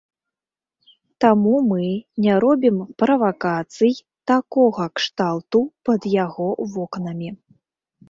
Таму мы не робім правакацый такога кшталту пад яго вокнамі.